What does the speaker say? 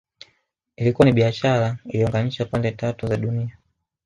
Ilikuwa ni biashara iliyounganisha pande tatu za dunia